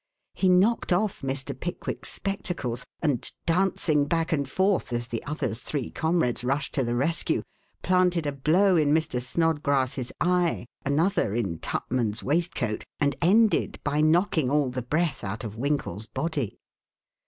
He knocked off Mr. Pickwick's spectacles and, dancing back and forth as the other's three comrades rushed to the rescue, planted a blow in Mr. Snodgrass's eye, another in Tupman's waistcoat and ended by knocking all the breath out of Winkle's body.